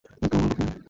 একদম আমার বুকে।